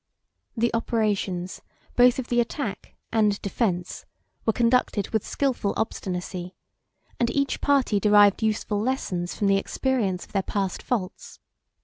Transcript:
The operations, both of the attack and defence, were conducted with skilful obstinacy; and each party derived useful lessons from the experience of their past faults.